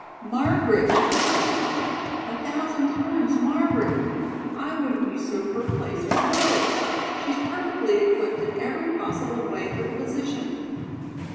"Margaret," cried Molly; "a thousand times, Margaret. I wouldn't usurp her place for worlds. She's perfectly equipped in every possible way for the position."